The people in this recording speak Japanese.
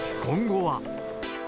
今後は。